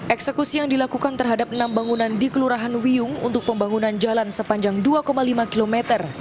eksekusi yang dilakukan terhadap enam bangunan di kelurahan wiyung untuk pembangunan jalan sepanjang dua lima km